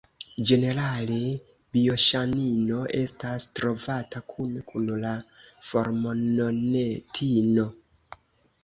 Ĝenerale bioŝanino estas trovata kune kun la formononetino.